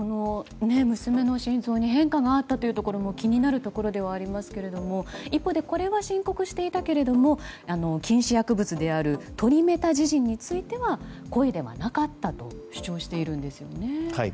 娘の心臓に変化があったというところも気になるところではありますけど一方でこれは申告していたけれど禁止薬物であるトリメタジジンについては故意ではなかったと主張しているんですよね。